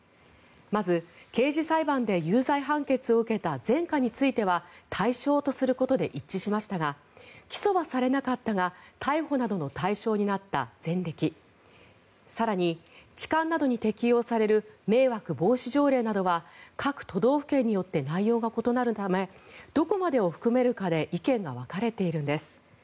まず刑事裁判で有罪判決を受けた前科については対象とすることで一致しましたが起訴はされなかったが逮捕などの対象になった前歴更に痴漢などに適用される迷惑防止条例などは各都道府県によって内容が異なるためどこまでを含めるかで意見が分かれているんです。